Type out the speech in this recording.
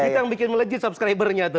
kita yang bikin melejit subscribernya tuh